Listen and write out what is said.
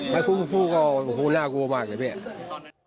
ไม่พุ่งก็น่ากลัวมากเนี่ยพี่